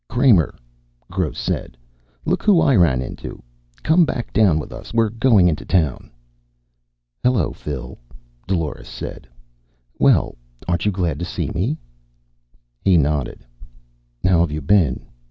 "Kramer," Gross said. "Look who I ran into. Come back down with us. We're going into town." "Hello, Phil," Dolores said. "Well, aren't you glad to see me?" He nodded. "How have you been?